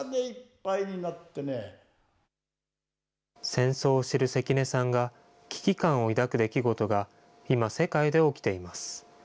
戦争を知る関根さんが危機感を抱く出来事が今、世界で起きています。